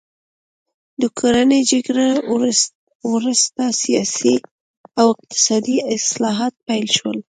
د کورنۍ جګړې وروسته سیاسي او اقتصادي اصلاحات پیل شول.